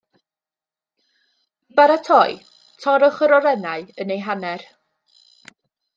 I baratoi, torrwch yr orenau yn eu hanner